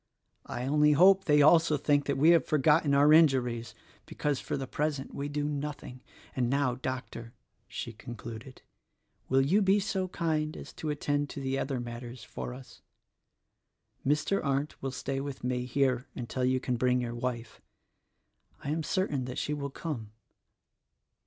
I only hope they also think that we have forgotten our injuries (because, for the present, we do nothing). And now, Doc tor," she concluded, "will you be so kind as to attend to the other matters for us. Mr. Arndt will stay with me here until you can bring your wife. I am certain that she will come."